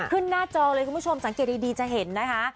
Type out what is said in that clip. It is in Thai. หน้าจอเลยคุณผู้ชมสังเกตดีจะเห็นนะคะ